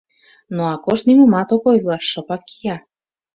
Но Акош нимомат ок ойло, шыпак кия.